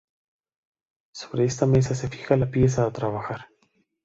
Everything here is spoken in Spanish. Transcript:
Sobre esta mesa se fija la pieza a trabajar.